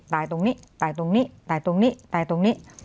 ตายตรงนี้ตายตรงนี้ตายตรงนี้ตายตรงนี้